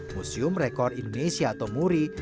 museum rekor indonesia atau muri